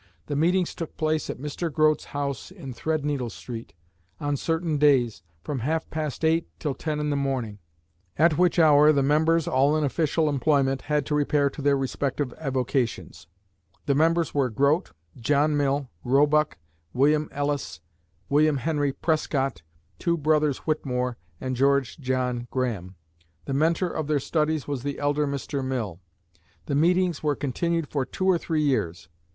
The meetings took place at Mr. Grote's house in Threadneedle Street, on certain days from half past eight till ten in the morning, at which hour the members (all in official employment) had to repair to their respective avocations. The members were Grote, John Mill, Roebuck, William Ellice, William Henry Prescott, two brothers Whitmore, and George John Graham. The mentor of their studies was the elder Mr. Mill. The meetings were continued for two or three years.